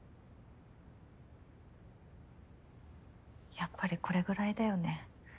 やっぱりこれぐらいだよね。